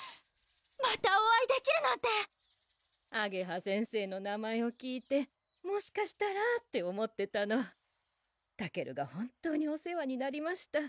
またお会いできるなんてあげは先生の名前を聞いてもしかしたらって思ってたのたけるが本当にお世話になりました